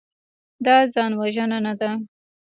دا ځانوژنه نه ده.